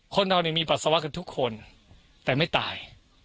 เรามีปัสสาวะกันทุกคนแต่ไม่ตาย